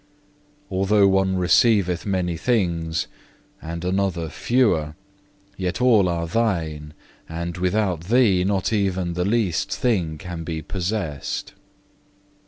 Although one receiveth many things, and another fewer, yet all are Thine, and without Thee not even the least thing can be possessed.